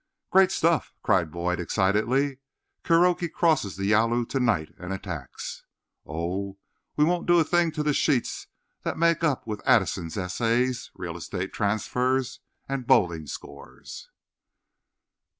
"Great stuff!" cried Boyd excitedly. "Kuroki crosses the Yalu to night and attacks. Oh, we won't do a thing to the sheets that make up with Addison's essays, real estate transfers, and bowling scores!"